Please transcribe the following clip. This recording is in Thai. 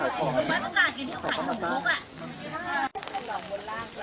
อาจจะกลับมาซักนัด